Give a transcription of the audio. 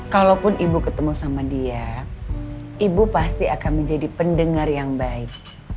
kalaupun ibu ketemu sama dia ibu pasti akan menjadi pendengar yang baik